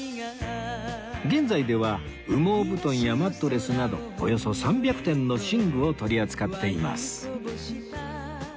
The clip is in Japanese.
現在では羽毛布団やマットレスなどおよそ３００点の寝具を取り扱っています